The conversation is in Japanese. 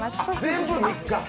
全部３日！？